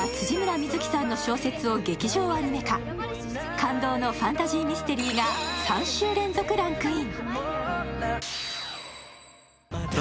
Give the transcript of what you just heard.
感動のファンタジーミステリーが３週連続ランクイン。